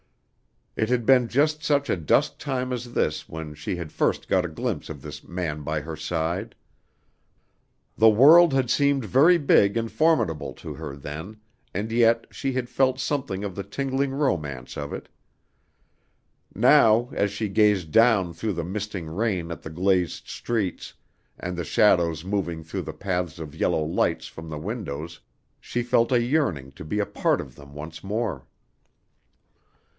It had been just such a dusk time as this when she had first got a glimpse of this man by her side. The world had seemed very big and formidable to her then and yet she had felt something of the tingling romance of it. Now as she gazed down through the misting rain at the glazed streets and the shadows moving through the paths of yellow lights from the windows, she felt a yearning to be a part of them once more.